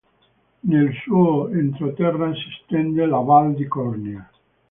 Nel suo entroterra si estende la Val di Cornia.